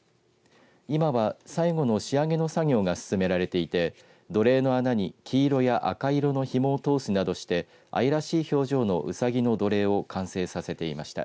今は、最後の仕上げの作業が進められていて土鈴の穴に黄色や赤色のひもを通すなどして愛らしい表情のうさぎの土鈴を完成させていました。